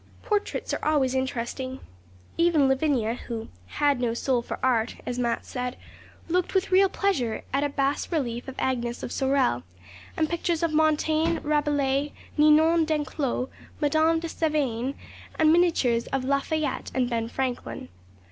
Portraits are always interesting. Even Lavinia, who 'had no soul for Art,' as Mat said, looked with real pleasure at a bass relief of Agnes of Sorel, and pictures of Montaigne, Rabelais, Ninon d'Enclos, Madame de Sévigné, and miniatures of La Fayette and Ben Franklin.